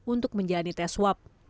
untuk menjalani tes swab